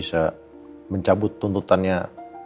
saya pergi dulu dari rumah